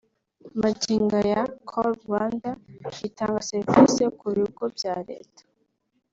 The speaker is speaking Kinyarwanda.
Magingo aya Call Rwanda itanga serivisi ku bigo bya Leta